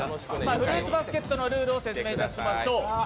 フルーツバスケットのルールを説明しましょう。